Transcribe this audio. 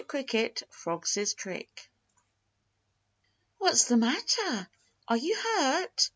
CRICKET FROG'S TRICK "What's the matter? Are you hurt?"